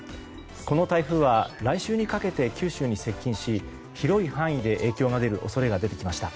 この台風は来週にかけて九州に接近し広い範囲で影響が出る恐れが出てきました。